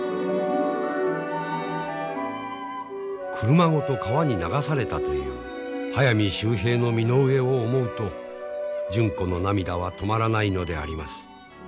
車ごと川に流されたという速水秀平の身の上を思うと純子の涙は止まらないのであります。